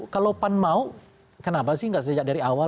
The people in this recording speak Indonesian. kalau pan mau kenapa sih nggak sejak dari awal